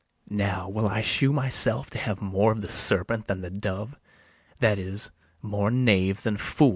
Now will I shew myself to have more of the serpent than the dove; that is, more knave than fool.